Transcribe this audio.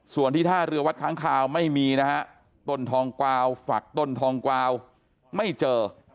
ส่วนที่ท่าเรือวัดค้างคาวไม่มีนะฮะต้นทองกวาวฝักต้นทองกวาวไม่เจอ